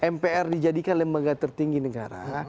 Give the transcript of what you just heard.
mpr dijadikan lembaga tertinggi negara